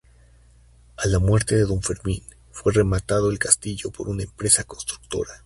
A la muerte de don Fermín fue rematado el castillo por una empresa constructora.